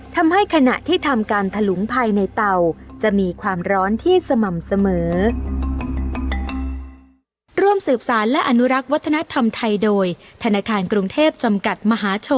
ทำให้ขณะที่ทำการถลุงภัยในเตาจะมีความร้อนที่สม่ำเสมอ